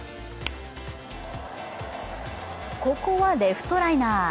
ここはレフトライナー